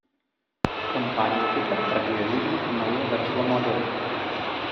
Kompanija taip pat pradėjo vykdyti naują verslo modelį.